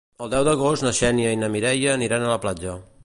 El deu d'agost na Xènia i na Mireia aniran a la platja.